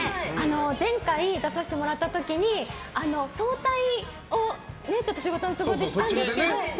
前回出させてもらった時に早退を、仕事の都合でしてしまったんですけど。